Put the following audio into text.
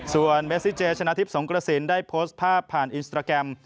ส่วนเมซิเจชนะทิพย์สงกระสินได้โพสต์ภาพผ่านอินสตราแกรม